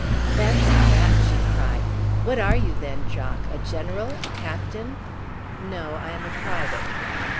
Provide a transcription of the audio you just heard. "Fancy that!" she cried. "What are you, then, Jock? A general? A captain?" "No, I am a private."